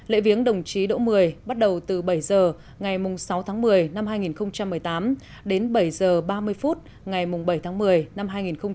lễ viếng đồng chí đỗ mười bắt đầu từ bảy h ngày sáu tháng một mươi năm hai nghìn một mươi tám đến bảy h ba mươi phút ngày bảy tháng một mươi năm hai nghìn một mươi chín